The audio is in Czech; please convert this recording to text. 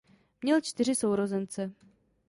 Měl čtyři sourozence.